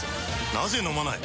なぜ飲まない？